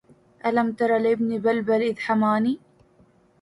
ألم تر لابن بلبل إذ حماني